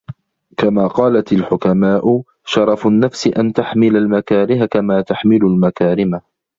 كَمَا قَالَتْ الْحُكَمَاءُ شَرَفُ النَّفْسِ أَنْ تَحْمِلَ الْمَكَارِهَ كَمَا تَحْمِلُ الْمَكَارِمَ